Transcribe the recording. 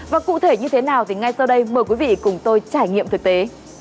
và cụ thể như thế nào thì ngay sau đây mời quý vị cùng tôi trải nghiệm thực tế